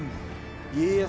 家康